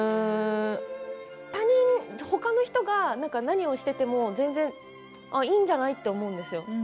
ほかの人が何をしていても全然いいんじゃない？と思うんですよ。